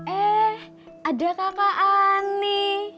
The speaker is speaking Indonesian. eh ada kakak ani